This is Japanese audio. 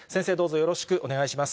よろしくお願いします。